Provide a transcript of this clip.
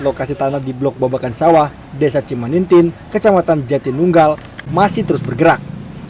lokasi tanah di blok babakan sawah desa cimanintin kecamatan jatinunggal masih terus bergerak